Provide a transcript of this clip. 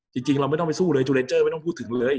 จริงเราไม่ต้องไปสู้เลยจูเนเจอร์ไม่ต้องพูดถึงเลย